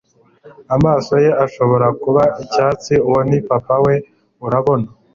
amaso ye ashobora kuba icyatsi - uwo ni papa we urabona